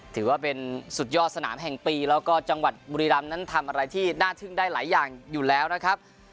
ถือว่าเป็นสุดยอดสนามแห่งปีแล้วก็จังหวัดบุรีรำนั้นทำอะไรที่น่าทึ่งได้หลายอย่างอยู่แล้วนะครับ